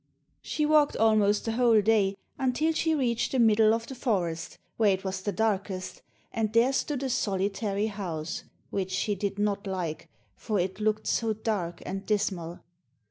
She walked almost the whole day until she reached the middle of the forest, where it was the darkest, and there stood a solitary house, which she did not like, for it looked so dark and dismal.